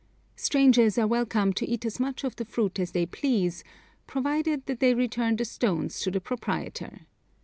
Strangers are welcome to eat as much of the fruit as they please, provided that they return the stones to the proprietor.